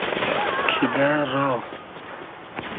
کیدۂ را